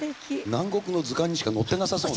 南国の図鑑にしか載ってなさそう。